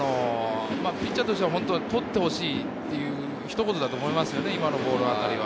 ピッチャーとしては取ってほしいというひと言だと思います。